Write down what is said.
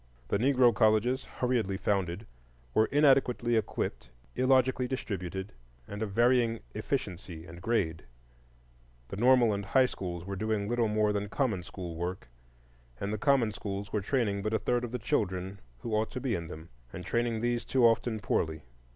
The Negro colleges, hurriedly founded, were inadequately equipped, illogically distributed, and of varying efficiency and grade; the normal and high schools were doing little more than common school work, and the common schools were training but a third of the children who ought to be in them, and training these too often poorly.